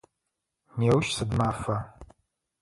Неущ сыд мафа?